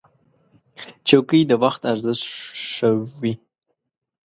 چوکۍ د وخت ارزښت ښووي.